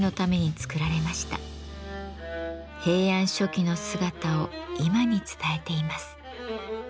平安初期の姿を今に伝えています。